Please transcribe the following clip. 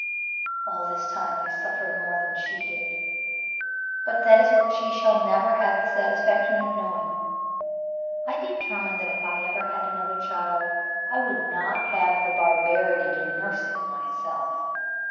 All this time I suffered more than she did; but that is what she shall never have the satisfaction of knowing. I determined, that if ever I had another child, I would not have the barbarity to nurse it myself.